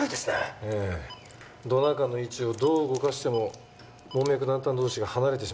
ええドナー肝の位置をどう動かしても門脈断端同士が離れてしまいますね。